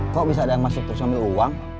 kok bisa ada yang masuk terus ngambil uang